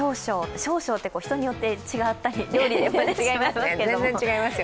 少々って人によって違ったり、料理でも違いますけど。